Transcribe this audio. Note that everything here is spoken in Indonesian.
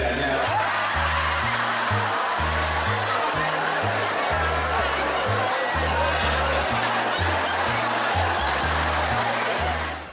tidak ada istilahnya